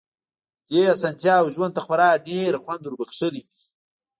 دې اسانتياوو ژوند ته خورا ډېر خوند وربښلی دی.